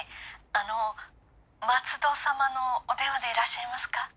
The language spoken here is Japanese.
あの松戸様のお電話でいらっしゃいますか？